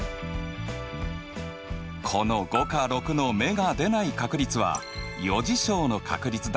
この５か６の目が出ない確率は余事象の確率だよね。